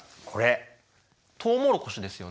トウモロコシですよね。